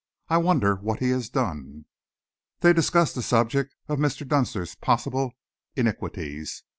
I wonder what he has done." They discussed the subject of Mr. Dunster's possible iniquities.